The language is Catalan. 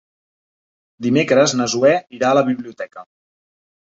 Dimecres na Zoè irà a la biblioteca.